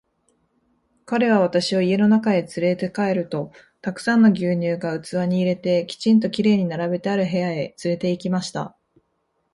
彼は私を家の中へつれて帰ると、たくさんの牛乳が器に入れて、きちんと綺麗に並べてある部屋へつれて行きました。